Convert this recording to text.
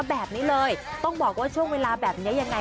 แบบนี้เลยต้องบอกว่าช่วงเวลาแบบนี้ยังไง